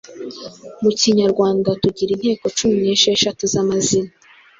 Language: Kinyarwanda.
Mu Kinyarwanda tugira inteko cumi n’esheshatu z’amazina.